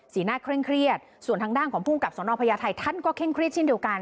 หน้าเคร่งเครียดส่วนทางด้านของภูมิกับสนพญาไทยท่านก็เคร่งเครียดเช่นเดียวกัน